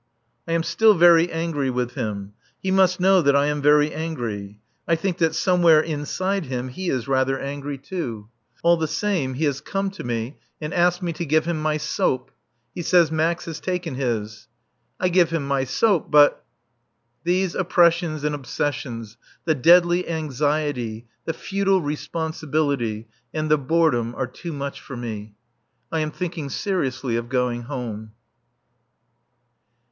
I am still very angry with him. He must know that I am very angry. I think that somewhere inside him he is rather angry too. All the same he has come to me and asked me to give him my soap. He says Max has taken his. I give him my soap, but These oppressions and obsessions, the deadly anxiety, the futile responsibility and the boredom are too much for me. I am thinking seriously of going home.